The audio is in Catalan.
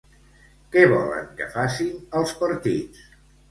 Què volen que facin els partits?